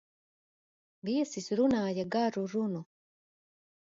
Viesis runāja garu runu.